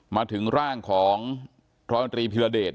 มาถึงร่างของร้อยตรีพิรเดช